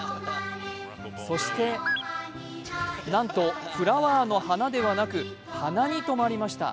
そして、なんとフラワーの花ではなく鼻に止まりました。